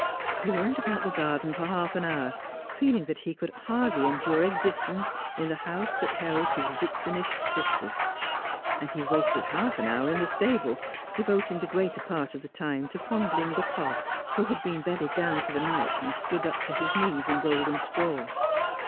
He roamed about the garden for half an hour, feeling that he could hardly endure existence in the house that held his vixenish sisters ; and he wasted half an hour in the stable, devoting the greater part of the time to fondling the cob, who had been bedded down for the night, and stood up to his knees in golden straw.